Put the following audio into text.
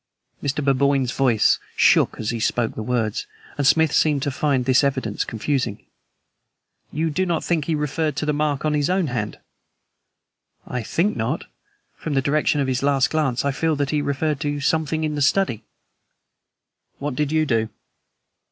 Mr. Burboyne's voice shook as he spoke the words, and Smith seemed to find this evidence confusing. "You do not think he referred to the mark on his own hand?" "I think not. From the direction of his last glance, I feel sure he referred to something in the study." "What did you do?"